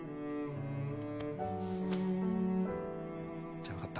じゃあ分かった。